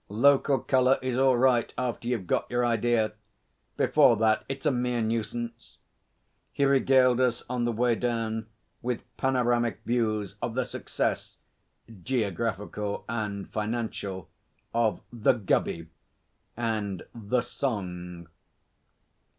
Local colour is all right after you've got your idea. Before that, it's a mere nuisance.' He regaled us on the way down with panoramic views of the success geographical and financial of 'The Gubby' and The Song.